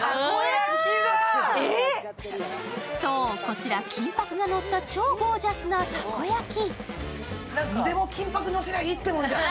そう、こちら金ぱくがのった超ゴージャスなたこ焼き。